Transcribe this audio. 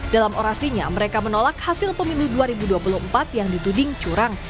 dalam orasinya mereka menolak hasil pemilu dua ribu dua puluh empat yang dituding curang